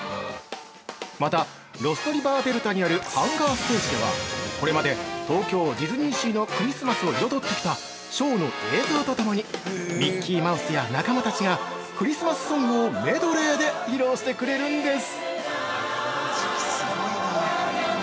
またロストリバーデルタにある「ハンガーステージ」ではこれまで東京ディズニーシーのクリスマスを彩ってきたショーの映像と共に、ミッキーや仲間たちが、クリスマスソングをメドレーで披露してくれるんです。